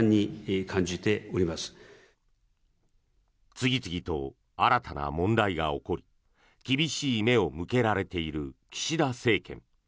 次々と新たな問題が起こり厳しい目を向けられている岸田政権。